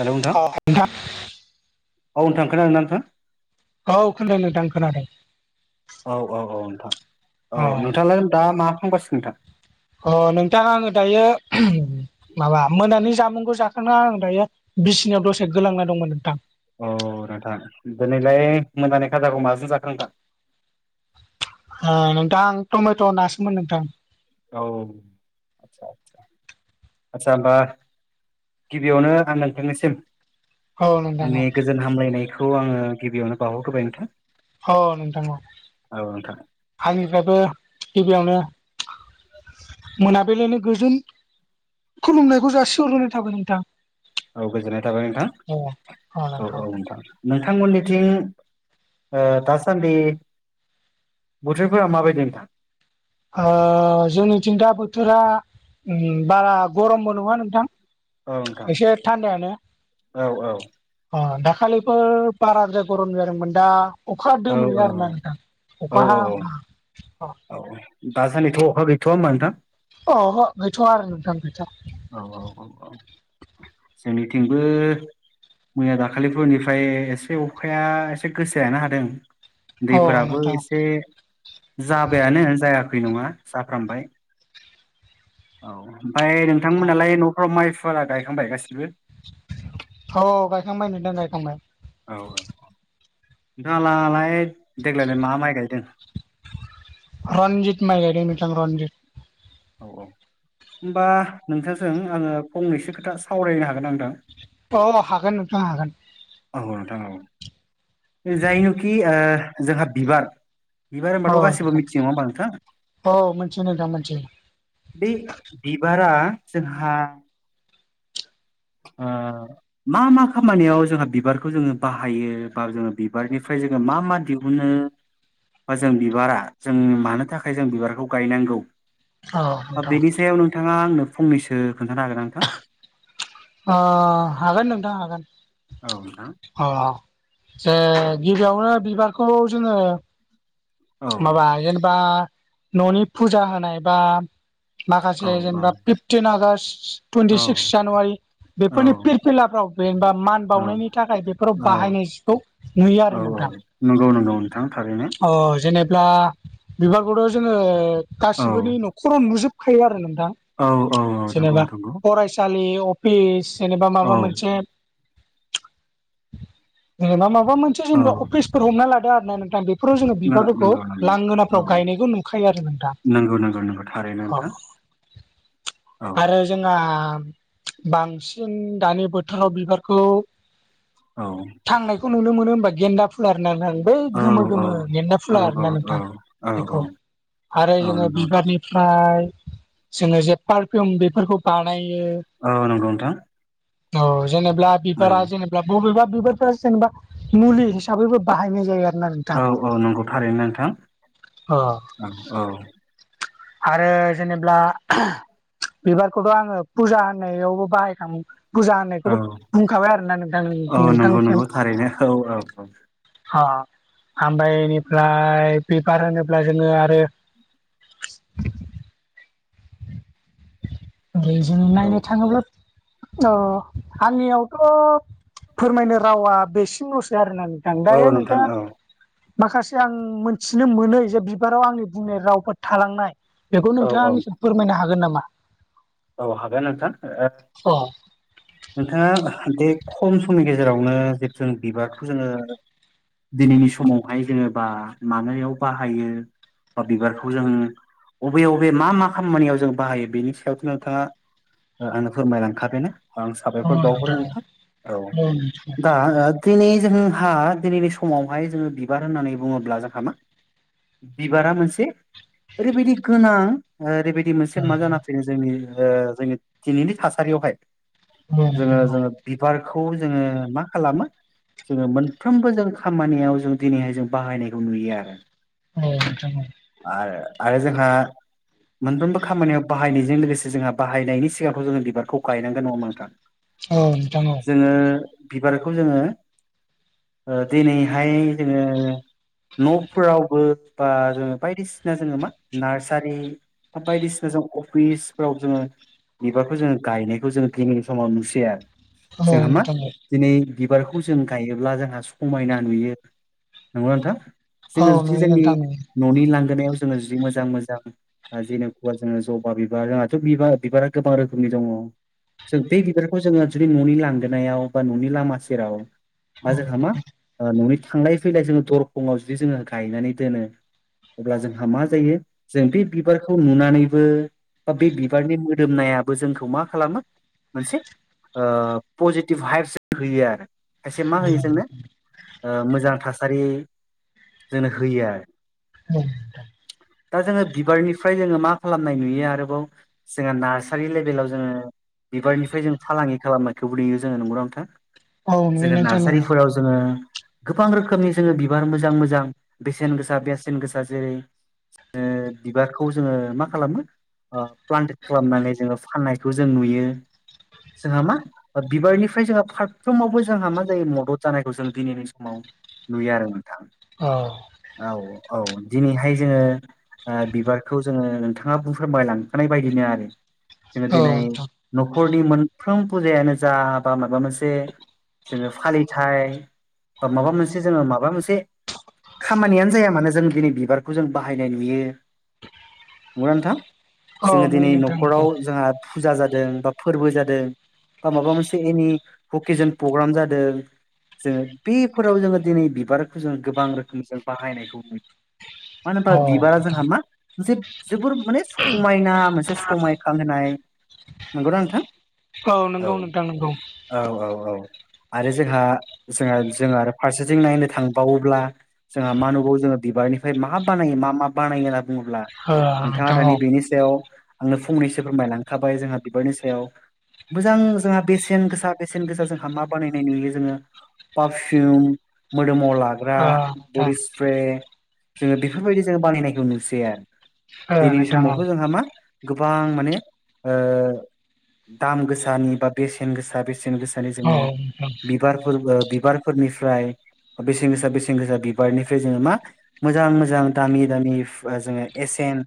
हेल' नोंथां औ नोंथां औ नोंथां खोनादों ना नोंथां? औ खोनादों नोंथां खोनादों। औ औ औ नोंथां औ नोंथाङालाय दा मा फांबासिग नोंथां? अ नोंथाङा आङो दायो माबा मोनानि जामुंखौ जाखांा आं दायो बिसिनिाव दसे गोलांना दंमोन नोंथां। अ नथा दिनैलाय मोनजानाय खाजाखौ माजों जाखो नोंथां? नोंथां आं टमेट' नासोमोन नोंथां। औ आसा आदसा होमबा गिबियावनो आं नोंथांनिसिम औ नोंथां औ आंनि गोजोन हामलायनायखौ आङो गिबियावनो बावहरग्रोबाय नोंथां। औ नोंथां औ नोंथां आंनिफ्रायबो गिबियावनो मोनाबिलिायनो गोजोन खुलुमनायखौ जासिहरग्रोनाय थाबाय नोंथां। औ गोजोननाय थाबाय नोंथां औ औ औ नोंथां। नोंथांमोननिथिं ओ दासान्दि बोथोरफोरा माबायदि नोंथां? ओ जोंनि थिं दा बोथोरा बारा गरमबो नङा नोंथां। औ नोंथां एसे थान्दायानो। औ अ दाखालिबो बारजा गरम जादोंमोन दा अखा औ दोमोयो आरोना नोंथां औ अखा औ हाहां। अ औ दा सानदैथ' अखा गैथ'आ होमबा नोंथां? अ गैथ'वाआरो नोंथां गैथ'वा। औ औ औ औ जोंनिथिंबो मैया दाखालिफोरनिफ्राय एसे अखाया एसे गोसायानो हादों। औ दैफोराबो नोंथां एसे जाबायानो जायाखै नङा जाफ्रामबाय औ ओमफ्राय औ नोंथांमोनहालाय न'फ्राव माइफोराा गायखांबाय गासिबो? औ गायखांबाय नोंथां गायखांबाय। औ नोंथांआलाय देग्लाय मा माइ गायदों? रनजित माइ गाइदों नोंथां रनजित। औ औ होनोमबा नोंथांजों आङो फंनैसो खोथा सावरायनो हागोन ना नोंथां अ हागोन नोंथां हागोन औ नोंथां औ जायनोखि जोंहा बिबार बिबार होनबाथ' औ गासिबो नोंथां मिथियो नङा होमबा नोंथां औ मोनथियो नोंथां मोनथियो बे बिबारा जोंहा ओ मा मा खामानियाव जोंहा बिबारखौ जोङो बाहायो बा जोङो बिबारनिफ्राय जोङो मा मा दिब गबनो बा जों बिबारा जों मानो थाखाय जों बिबारखौ गायनांगौ औ नोंथां बेनि सायाव नोंथाङा आंनो फंनैसो खोन्थानो हागोन ना नोंथां अ हागोन नोंथां हागोन औ नोंथां अ जे गिबियावनो बिबारखौ जोङो माबा जेनेबा न'नि फुजा होनाय बा औ माखासे जेनेबा आग्ट टुइन्टि औ सिक्स जानुवारि बेफोरनि फिरफिलाफ्राव जेनेबा मान औ बावनायनि थाखाय बेफोराव औ बाहायनाय जिखौ औ औ नंगौ नंगौ नोंथां थारैनो जेनेबा बिबारखौथ' जोङो औ गासिबोनि न'खराव नुजोबखायो आरो नोंथां औ औ नंगौ जेनेबा नंगौ फरायसालि जेनेबा औ माबा मोनसे जेनेबा माबा मोनसे मोनसे औ जेनेबा अफिसफोर हमना लादो आरो ना नोंथां बेफोराव जोङो बिबारफोरखौ नंगौ नंगौ औ लांगोनाफ्राव गायनायखौ नुखायो आरो नोंथां नंगौ नंगौ नंगौ थारैनो अ नोंथां औ आरो जोंहा बांसिन दानि बोथोराव बिबारखौ औ थांनायखौ नुनो मोनो हबा गेन्दा फुलार होननानै आं बै औ गोमो गोमो गेन्दा औ फुला होननानै औ आरो औ जोङो नंगौ बिबारनि ओमफ्राय जोङो जे पारफिउम बेफोरखौ बानायो औ नंगौ नोंथां औ जेनेबा औ बिबारा जेने बबेबा बिबारफ जेनेबा मुलि हिसाबैबो बाहायनाय जायो आरो ना औ औ नंगौ थारैनो नोंथां अ औ आरो जेनेबा बिबारखौथ' आङो फुजा होननायावबो बाहायखामो फुजा औ होननायखौबो बुंखाबाय आरो ना नोंथां औ नंगौ नोंथांसिम नंगौ थारैनो औ औ अ ओमफ्राय बेनिफ्राय बिबार होनोब्ला जोङो आरो बे जोंनो औ नायनो थाङोब्ला अ आंनियावथ' फोरमायनो रावा बेसिनल'सो आरोना औ दायो नोंथां औ माखासे आं मोनथिनो मोनै जे बिबाराव आंनि बुंनाय रावफोर थालांनाय बेखौ औ औ नोंथाङा फोरमायनो हागोन नामा औ हागोन नोंथां औ नोंथाङा बे खम समनि गेजेरावनो जे जों बिबारखौ जोङो दिनैनि समावहाय जेनेबा मानायाव बाहायो बा बिबारखौ जों बबे बबे मा मा खामानियाव जों बाहायो बेनि सायाव जोङो आंनो फोरमायलांखाबायानो आं अ साबायखर बावहरो औ नोंथां औ दा ओ दिनै जोंहा दिनैनि समावहाय जोङो बिबार होननानै बुङोब्ला जोंहा मा बिबारा मोनसे ओरैबायदि गोनां ओरैबायदि मोनसे मा जाना फैयो जोंनि जोंनि दिनैनि थासारियावहाय जोङो जोङो बिबारखौ जोङो मा खालामो जोङो मोनफ्रोमबो जों खामानियाव जों दिनैहाय जों बाहायनायखौ नुयो आरो। औ नोंथां औ आरो जोंहा मोनफ्रोमबो खामानियाव बाहायनायजों लोगोसे जोंहा बाहायनायनि सिगांआवथ जोङो बिबारखौ गायनांगोन नङा होनबा नोंथां? औ नोंथां औ जोङो बिबारखौ जोङो ओ दिनैहाय जोङो न'फोरावबो बा जोङो बायदिसिना जोङो मा नार्सारि बायदिसिना जों अफिस आव जोङो बिबारखौ जोङो गायनायखौ जोङो गिनि समाव नुसैयो आरो जोंहा मा? नोंथां औ दिनै बिबारखौ जों गायोब्ला जोंहा समायना नुयो नंगौना नोंथां? औ नोंथां औ नोंथां औ नोंथां औ नोंथां औ जोङो औ जुदि नुयो जोंनि नोंथां नुयो न'नि लांगोनायाव जोङो जुदि मोजां मोजां जेनेखबा जोङो जबा बिबार रोङा बिबार बिबारा गोबां रोखोमनि दङ। जों बे बिबारखौ जोङो जुदि न'नि लांगोनायाव बा न'नि लामा सेराव औ बा औ जोंहा नुयो मा न'नि थांलाय फैलाय जोङो दरखंआव जुदि जोङो गायनानै दोनो अब्ला जोंहा मा जायो जों बे बिबारखौ नुनानैबो बा बे बिबारनि मोदोमनायाबो जोंखौ मा खालामो मोनसे ओ पजिटिभ हाइभस होयो आरो खायसे मा होयो जोंनो? ओ मोजां थासारि जोंनो होयो आरो। नोंथां नुयो दा जोङो बिबारनिफ्राय जोङो मा खालामनाय नुयो आरो। जोंहा नारसारि लेभेलाव जोङो बिबारनिफ्राय जों फालांगि खालामनायखौबो नयो जोङो नंगौ नोंथां जोङो नार्सारिफोराव जोङो गोबां रोखोमनि जोङो बिबार मोजां मोजां बेसेन गोसा बेसेन गोसा जेरै बिबारखौ जोङो मा खालामो? प्लान्टे खालामनानै जोङो फाननायखौ जों नुयो जोंहा मा? बिबारनिफ्राय जोंहा फारफ्रोमावबो जोंहा मा जायो मदद जानायखौ जों दिनैनि समाव नुयो आरो। नोंथां औ औ औ दिनैहाय जोङो बिबारखौ जोङो नोंथाङा बुं फोरमायलां ओखानाय बायदिनो आरो। जोङो औ दिनै नोंथां न'खरनि मोनफ्रोम फुजायानो जा बा माबा मोनसे जोङो फालिथाय बा माबा मोनसे जोङो माबा मोनसे खामानियानो जाया मानो जों दिनै बिबारखौ जों बाहायनाय नुयो नंगौना नोंथां? जोङो औ नुयो दिनै नोंथां नोंगौ न'खराव जोंहा फुजा जादों बा फोरबो जादों। बा माबा मोनसे एनि भकेजन प्रग्राम जादों। जोङो बेफोराव जोङो दिनै बिबारखौ जोङो गोबां रोखोम जों बाहायनायखौ नु मानो होनबा औ बिबारा नोंथां जोंहा मा मोनसे जोबोर माने स समायना मोनसे समायखां होनाय नंगौ ना नोंथां? औ नंगौ नोंथां नोंगौ। औ औ औ आरो जोंहा जोंहा जों आरो फारसेथिं नायनो थांबावोब्ला जोंहा मा नुगौ जोङो बिबारनिफ्राय मा बानायो मा मा बानायो होनना बुङोब्ला नोंथाङा नोंथां औ ओ दानि बिनि सायाव आंनो फंनैसो फोरमायलांखाबाय जोंहा बिबारनि सायाव मोजां जोंहा बेसेन गोसा बेसेन गोसा जोंहा मा बानायनाय नुयो जोङो पारफिउम मोदोमाव ला हाग्रा नोंथां बडि स्प्रे जोङो बेफोरबायदि जो बानायनायखौ नुसै आरो। ओ दिनैनि नोंथां औ समावथ' जोंहा मा गोबां माने दाम गोसानि बा बेसेन गोसा बेसेन गोसानि औ जोङो नोंथां बिबारफोर बिबार फोरनिफ्राय बेसेन गोसा बेसेन गोसा बिबारनिफ्राय जोङो मा? मोजां मोजां दामि दामि जोङो एसेन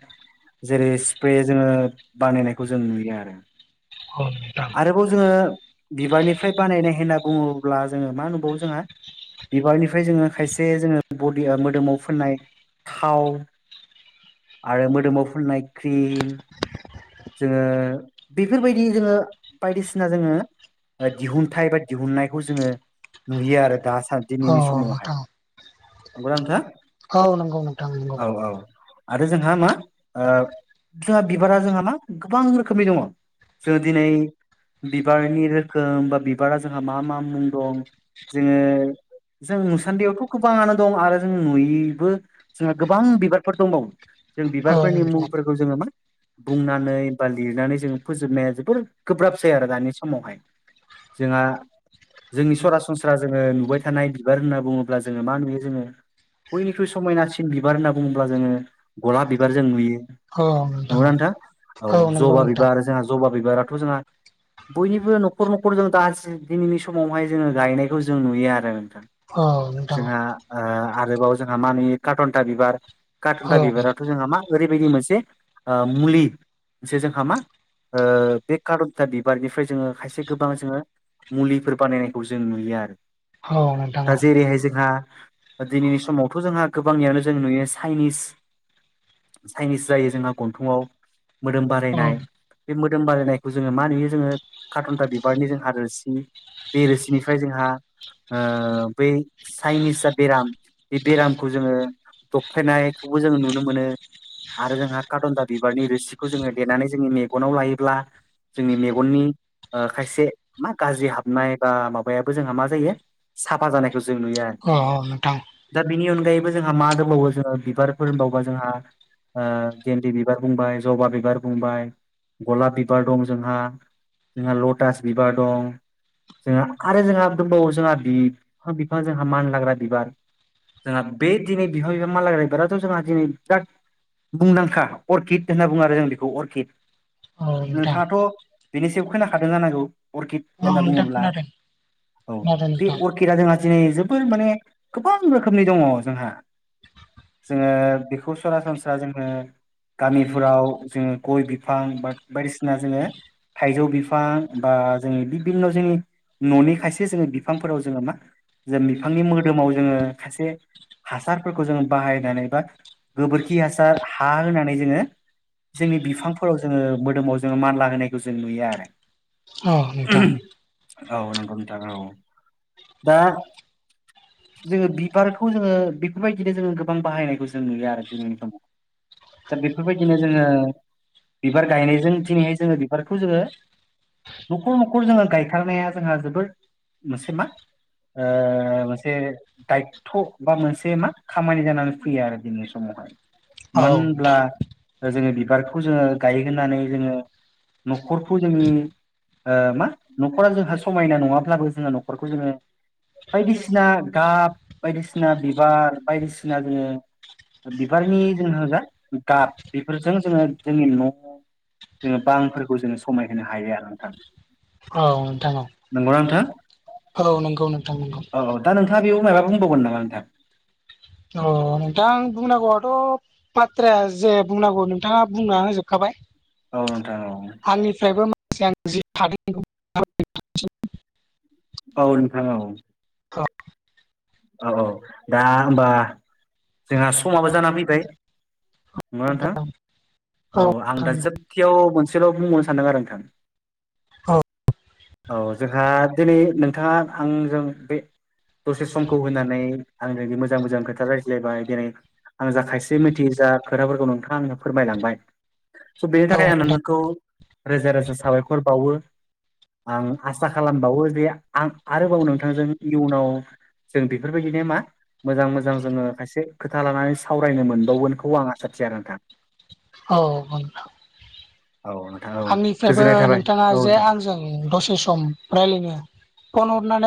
जेरै स्प्रे जोङो बानायनायखौ जों नुयो आरो औ नोंथां आरोबाव जोङो बिबारनिफ्राय बानायनाय होनना बुङोब्ला जोङो मा नुबावो जोंहा बिबारनिफ्राय जोङो खायसे जोङो बदि मोदोमाव फोननाय थाव आरो मोदोमाव फुननाय क्रिम जोङो बेफोरबायदि जोङो बायदिसिना जोङो दिहुनथाइ बा दिहुननायखौ जोङो नुयो आरो दाम आसा औ दिनैनि समावहाय नोंथां नंगौना नोंथां औ नंगौ नोंथां नंगौ औ औ आरो जोंहा मा जोंहा बिबारा जोंहा मा गोबां रोखोमनि दङ जों दिनै बिबारनि रोखोम बा बिबारा जोंहा मा मा मुं दं जोङो जों मुसान्दयावथ' गोबाङानो दं आरो जों नुयैबो जोंहा गोबां बिबारफोर दंबावो जों औ बिबारफोरनि नोंथां मुंफोरखौ जोङो मा बुंनानै बा लिरनानै जोङो फोजोबनाया जोबोर गोब्राब जै आरो दानि समावहाय जोंहा जोंनि सरासनस्रा जोङो नुबाय थानाय बिबार होनना बुङोब्ला जोङो मा नुयो जोङो बयनिख्रुइ समायनासिन बिबार होनना बुङोब्ला जोङो गलाब बिबार बिबार जों नुयो औ नोंथां औ नङगनाा नथा औ नंगौ जबा नोंथां बिबार जोंहा जबा बिबाराथ' जोंहा [inaudible] बयनिबो न'खर न'खर जों दा दिनैनि समावहाय जोङो गायनायखौ जों नुयो आरो नोंथां औ नोंथां जोंहा आरोबाव जोंहा मा नयो कारटनथा बिबार औ कार्टनथा औ बिबाराव जोंहा मा ओरैबायदि मोनसे मुलि मोनसे जोंहा मा ओ बे कारन्था बिबारनिफ्राय जोङो खायसे गोबां जोङो मुलिफोर बानायनायखौ जों नुयो आरो औ नोंथां दा औ जेरैहाय जोंहा दिनैनि समावथ' जोंहा गोबांनियावनो जों नुयो चाइनिस चाइनिस जायो जोंहा गन्थंआव मोदोम औ बारायनाय बे मोदोम बारायनायखौ जोङो मा नुयो जोङो कारथनथा बिबारनि जोंहा हादोरसि बे रोसिनिफ्राय जोंहा बै चाइनिस जा बेराम बे बेरामखौ जोङो दबफायनायखौबो जोंङो नुनो मोनो आरो जोंहा कारादनदा बिबारनि रोसिखौ जोङो लेनानै जोंनि मेगनाव लायोब्ला जोंनि मेगननि खायसे मा गाज्रि हाबनाय बा माबायाबो जोंहा मा जायो साफा जानायखौ जों नुयो आरो अ दा बेनि अनगायैबो जोंहा मा दंबावो जोङो बिबार फोरोंबावो बबा जोंहा गेन्दि बिबार बुंबाय जबा बिबार बुंबाय गलाब बिबार दं जोंहा जोंहा लटास बिबार दं जोंहा आरो जोंहा दंबावो जोंहा बिफां बिफां जोंहा मानलाग्रा बिबार जोंहा बे दिनै बिहां बिफां माललाग्रायबाराथ' जोंहा दिनै बिराद मुंदांखा अर्किड होनना बुङो आरो जों बेखौ अर्किड औ नोंथां औ नोंथां नोंथाङाथ' बेनिसायाव खोनाखादों जानांगौ अर्खिद होनना खोनादों बुङोब्ला औ बे नोंथां अर्किड जोंहा दिनै जोबोर माने गोबां रोखोमनि दङ जोंहा जोङो बेखौ सरासनस्रा जोङो गामिफोराव जोङो गय बिफां ब बायदिसिना जोङो थाइजौ बिफां बा जोंनि बिभिन्न' जोंनि न'नि खायसे जोङो बिफांफोराव जोङो मा जों बिफांनि मोदोमाव जोङो खायसे हासारफोरखौ जोङो बाहायनानै बा गोबोरखि हासार हा होनानै जोङो जोंनि बिफांफोराव जोङो मोदोमाव जोङो मानला होनायखौ जों नुयो आरो। औ नोंथां औ नोंथां औ औ नंगौ नोंथां औ दा जोङो बिबारखौ जोङो बेफोरबायदिनो जोङो गोबां बाहायनायखौ जों नुयो आरो दिनैनि समाव। दा बेफोरबायदिनो जोङो बिबार गायनायजों दिनैहाय जोङो बिबारखौ जोङो न'खर न'खर जोङो गायथारनाया जोंहा जोोबद मोनसे मा? ओ मोनसे दायथ' बा मोनसे मा खामानि जानानै फैयो आरो। जोंनि समावहा मानो होनब्ला जोङो बिबारखौ जोङो गायहोननानै जोङो न'खरखौ जोंनि ओ मा न'खरा जोंहा समायना नङाब्लाबो जोङो न'खरखौ जोङो बायदिसिना गाब बायदिसिना बिबार बायदिसिना जोङो बिबारनि जों जा गाब बेफोरजों जोङो जोंनि न' जोङो बांफोरखौ जोङो समायहोनो हायो आरो नोंथां। औ नोंथां औ नंगौना नोंथा? औ नंगौ नोंथां नोंगौ औ दा नोंथाङ बेयाव माबा बुंबावगोन नामा नोंथां? अ नोंथां आं बुंनांगौआथ' बाथ्रााया जे बुंनांगौ नोंथाङा बुंना जोबखाबाय। औ नोंथां औ आंनिफ्रायबो माखासे आं जि थादों औ नोंथां औ औ औ दा होमबा जोंहा समाबो जानानै फैबाय। नङा नोंथां औ आं दा जोबखयाव मोनसेल' बुंबावनो सानदों आरो नोंथां। औ औ जोंहा दिनै नोंथाङा आंजों बे दसे समखौ होनानै आं मोजां मोजां खोथा रायज्लायबाय दिनै आं जा खायसे मिथिययो जा खोथाफोरखौ नोंथाङा आंनो फोरमायलांबाय। स' बेनि औ थाखाय आं नोंथां नोंखौ रोजा रोजा साबायखर बावो। आं आसा खालामबावो जे आं आरोबाव नोंथांजों इयुनाव जों बेफोरबायदिनो मा? मोजां मोजां जोङो खायसे खोथा लानानै सावरायनो मोनबावगोनखौ आं आसा थि आरो नोंथां। औ नोंथां औ नोंथां औ आंनिफ्रायबो गोजोननाय थाबाय नोंथाङा औ जे नोंथां। आंजों दसे सम रायज्लायनो फन हरनानै